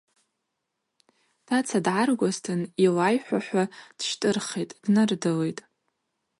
Таца дгӏаргуазтын йлайхӏвахӏвуа дщтӏырхитӏ, днардылитӏ.